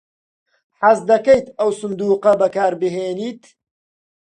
حەز دەکەیت ئەم سندووقە بەکاربهێنیت؟